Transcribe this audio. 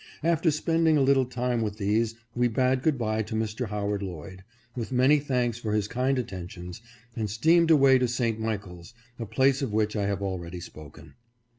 After spending a little time with these, we bade good bye to Mr. Howard Lloyd, with many thanks for his kind attentions, and steamed away to St. Michael's, a place of which I have already spoken.